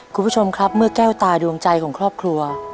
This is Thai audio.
คุณผู้ชมครับเมื่อแก้วตาดวงใจของครอบครัว